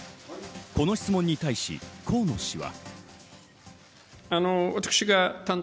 この質問に対し、河野氏は。